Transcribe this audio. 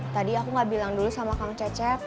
tadi aku gak bilang dulu sama kang cecep